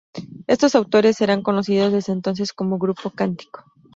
Estos autores serán conocidos desde entonces como Grupo Cántico.